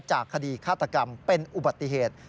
จากคดีฆาตกรรมเป็นอุบัติเหตุ